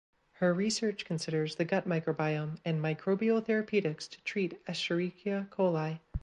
Her research considers the gut microbiome and microbial therapeutics to treat Escherichia coli.